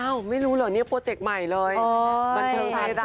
อ้าวไม่รู้เหรอเนี่ยโปรเจกต์ใหม่เลยบรรเทศให้รัด